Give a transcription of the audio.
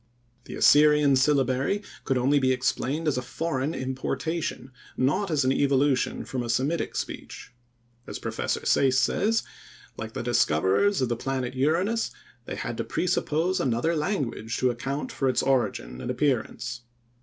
The Assyrian syllabary could only be explained as a foreign importation, not as an evolution from a Semitic speech. As Professor Sayce says: "Like the discoverers of the planet Uranus, they had to presuppose another language to account for its origin and appearance."